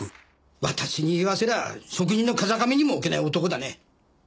私に言わせりゃあ職人の風上にも置けない男だね。